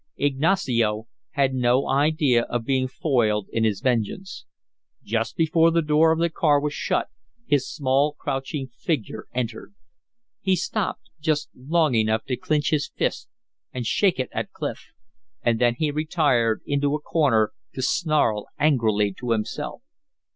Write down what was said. Ignacio had no idea of being foiled in his vengeance. Just before the door of the car was shut his small, crouching figure entered. He stopped just long enough to clinch his fist and shake it at Clif; and then he retired into a corner to snarl angrily to himself.